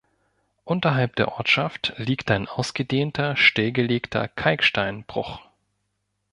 Unterhalb der Ortschaft liegt ein ausgedehnter stillgelegter Kalksteinbruch.